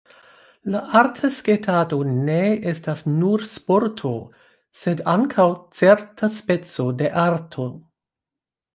La arta sketado ne estas nur sporto, sed ankaŭ certa speco de arto.